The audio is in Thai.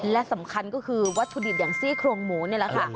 และสำคัญก็คือวัตถุดิบอย่างซี่โครงหมูนี่แหละค่ะ